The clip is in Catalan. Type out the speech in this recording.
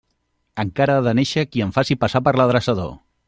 Encara ha de néixer qui em faci passar per l'adreçador.